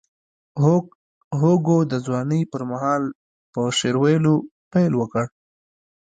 هوګو د ځوانۍ پر مهال په شعر ویلو پیل وکړ.